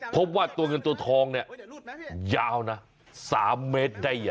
พบว่าตัวเงินตัวทองเนี่ยยาวนะ๓เมตรได้